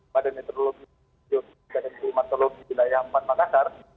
badan meteorologi geoteknik dan ekonomik di wilayah makassar